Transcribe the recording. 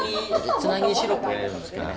つなぎにシロップを入れるんですけどね。